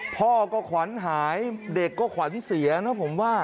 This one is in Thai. พ่อก็ขวัญหายเด็กก็ขวัญเสียนะผมว่า